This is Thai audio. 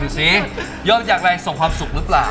สิยอมจากอะไรส่งความสุขหรือเปล่า